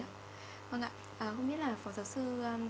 không biết là phó giáo sư